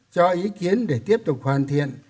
cho ý kiến để tiếp tục hoàn thiện